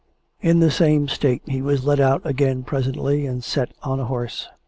431 In the same state he was led out again presently, and set on a horse.